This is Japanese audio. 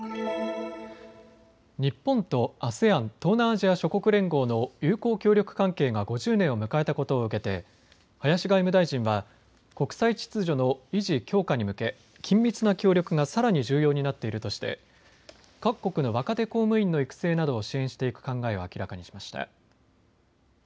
日本とＡＳＥＡＮ・東南アジア諸国連合の友好協力関係が５０年を迎えたことを受けて林外務大臣は国際秩序の維持・強化に向け緊密な協力がさらに重要になっているとして、各国の若手公務員の育成などを支援していく考えを明らかにしました。